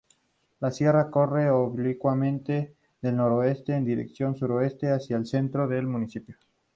La sierra corre oblicuamente del noroeste en dirección sureste, hacia el centro del municipio.